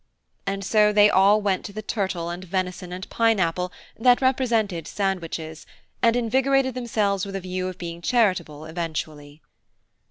And so they all went to the turtle, and venison, and pine apple, that represented sandwiches, and invigorated themselves with a view of being charitable eventually.